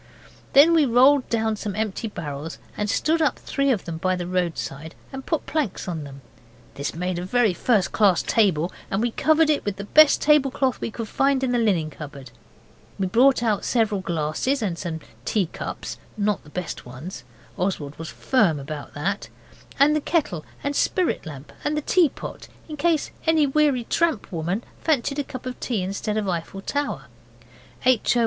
Then we rolled down some empty barrels and stood up three of them by the roadside, and put planks on them. This made a very first class table, and we covered it with the best tablecloth we could find in the linen cupboard. We brought out several glasses and some teacups not the best ones, Oswald was firm about that and the kettle and spirit lamp and the tea pot, in case any weary tramp woman fancied a cup of tea instead of Eiffel Tower. H. O.